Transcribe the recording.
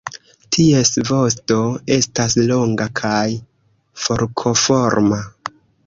Ties vosto estas longa kaj forkoforma.